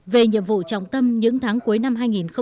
về nhiệm vụ trọng tâm những tháng cuối năm hai nghìn hai mươi